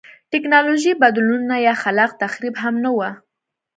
ټکنالوژیکي بدلونونه یا خلاق تخریب هم نه و.